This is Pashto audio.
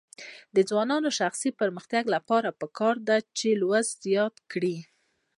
د ځوانانو د شخصي پرمختګ لپاره پکار ده چې لوستل زیات کړي.